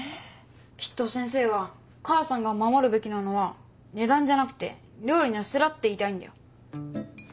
きっと先生は母さんが守るべきなのは値段じゃなくて料理の質だって言いたいんだよ。